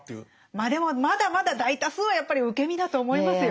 まあでもまだまだ大多数はやっぱり受け身だと思いますよ。